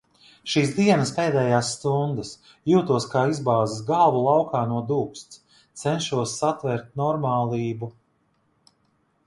Šīs dienas pēdējās stundas. Jūtos kā izbāzis galvu laukā no dūksts. Cenšos satvert normālību.